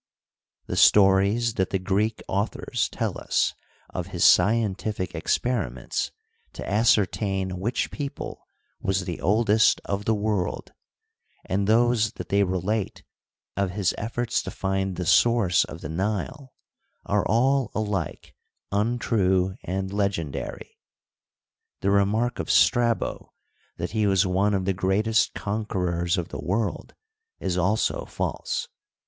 The stories that the Greek authors tell us of his scien tific experiments to ascertain which people was the oldest of the world, and those that they relate of his efforts to find the source of the Nile, are all alike untrue and legend ary. The remark of Strabo that he was one of the great est conquerors of the world is also false.